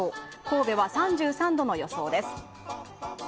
神戸は３３度の予想です。